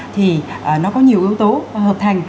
thì nó có nhiều yếu tố hợp thành